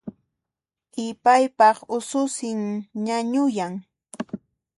Ipaypaq ususin ñañuyan